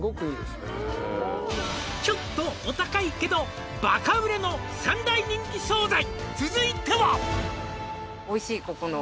「ちょっとお高いけどバカ売れの３大人気惣菜」